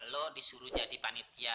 lu disuruh jadi panitia